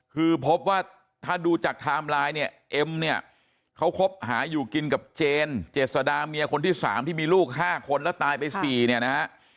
คือพบว่าถ้าดูจากไทม์ไลน์เนี่ยเอ็มเนี่ยเขาคบหาอยู่กินกับเจนเจษดาเมียคนที่๓ที่มีลูก๕คนแล้วตายไป๔เนี่ยนะฮะ